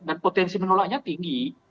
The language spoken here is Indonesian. dan potensi menolaknya tinggi